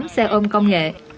tám xe ôm công nghệ